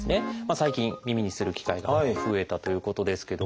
最近耳にする機会が増えたということですけども。